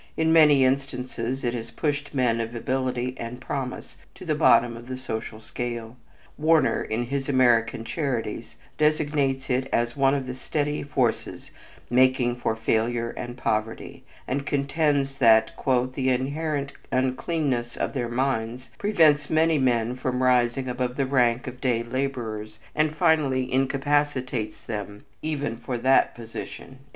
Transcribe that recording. In many instances it has pushed men of ability and promise to the bottom of the social scale. Warner, in his American Charities, designates it as one of the steady forces making for failure and poverty, and contends that "the inherent uncleanness of their minds prevents many men from rising above the rank of day laborers and finally incapacitates them even for that position."